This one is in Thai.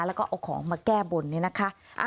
แล้วก็เอาของมาแก้บนเนี่ยนะคะ